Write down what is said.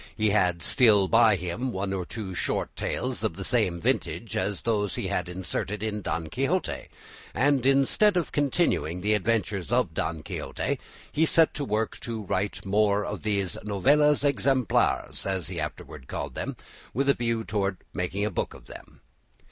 He had still by him one or two short tales of the same vintage as those he had inserted in "Don Quixote" and instead of continuing the adventures of Don Quixote, he set to work to write more of these "Novelas Exemplares" as he afterwards called them, with a view to making a book of them.